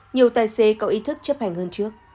nhiều tài xế có ý thức chấp hành hơn trước